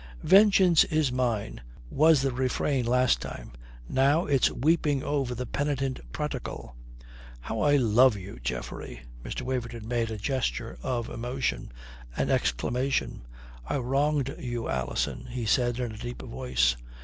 "'Vengeance is mine' was the refrain last time. Now it's weeping over the penitent prodigal. How I love you, Geoffrey." Mr. Waverton made a gesture of emotion, an exclamation. "I wronged you, Alison," he said in a deep voice.